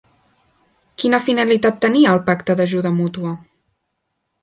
Quina finalitat tenia el Pacte d'Ajuda Mútua?